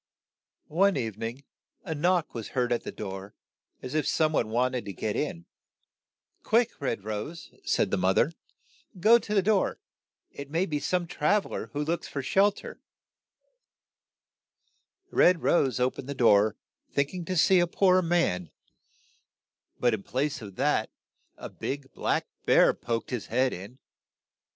One eve ning a knock was heard at the door as if some one wished to get in. "Quick, Red Rose," said the moth er, SNOW WHITE HANGING THE KETTLE 30 SNOW WHITE AND RED ROSE "go to the door; it may be some trav el er who looks for shel ter. '' Red Rose o pened the door think ing to see a poor man, but in place of that a big black bear poked his head in.